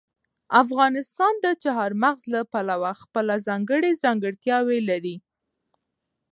افغانستان د چار مغز له پلوه خپله ځانګړې ځانګړتیاوې لري.